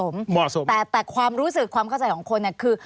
เมื่อรู้สึกความเข้าใจของคนคือ